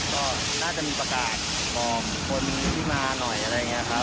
ก็น่าจะมีประกาศบอกคนที่มาหน่อยอะไรอย่างนี้ครับ